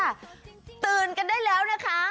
สวัสดีค่ะรุ่นก่อนเวลาเหนียวกับดาวสุภาษฎรามมาแล้วค่ะ